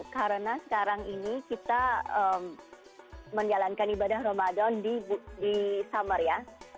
karena sekarang ini kita menjalankan ibadah ramadan di summer ya